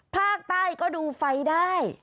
ภาคใต้ก็ดูไฟได้